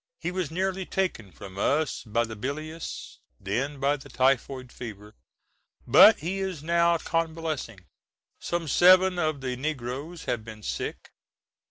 He was nearly taken from us by the bilious, then by the typhoid fever; but he is now convalescing. Some seven of the negroes have been sick.